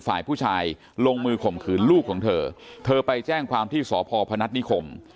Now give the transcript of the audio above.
ฝ่ายผู้ชายลงมือข่มขืนลูกของเธอเธอไปแจ้งความที่สพพนัฐนิคม